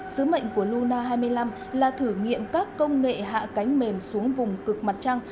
sứ mệnh của luna hai mươi năm là thử nghiệm các công nghệ hạ cánh mềm xuống vùng cực mặt trăng